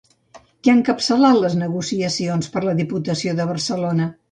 Qui ha encapçalat les negociacions per a la Diputació de Barcelona?